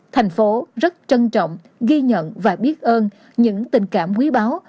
thành phố rất trân trọng ghi nhận và biết ơn những tình cảm quý báo